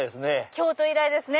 京都以来ですね。